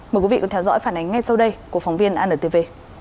mời quý vị theo dõi phản ánh ngay sau đây của phóng viên anntv